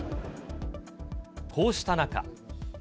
こうした中。